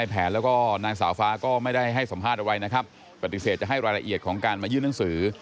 ปฏิเสธจะให้รายละเอียดของการมายื่นหนังสือ